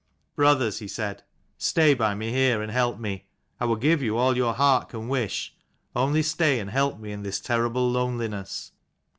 "Brothers," he said, "stay by me here, and help me. I will give you all your heart can wish, only stay and help me in this terrible loneliness.